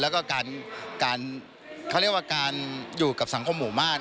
แล้วก็การเขาเรียกว่าการอยู่กับสังคมหมู่บ้าน